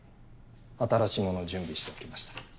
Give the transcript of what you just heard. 新しいものを準備しておきました。